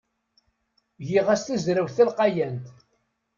Giɣ-as tazrawt talqayant.